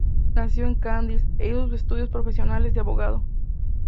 Nació en Cádiz e hizo sus estudios profesionales de abogado.